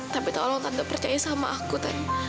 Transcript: tapi tolong tante percaya sama aku tante